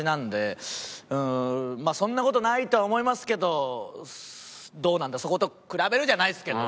うーんまあそんな事ないとは思いますけどどうなんだそこと比べるじゃないですけど。